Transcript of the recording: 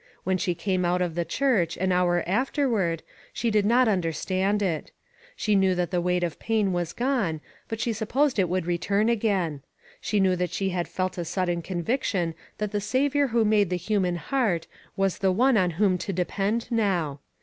When she came out of the church, an hour afterward, she did A TOUCH OF THE WORLD. 4OI not understand it. She knew that the weight of pain was gone, but she supposed it would return again. She knew that she had felt a sudden conviction that the Saviour who made the human heart, was the one on whom to depend now.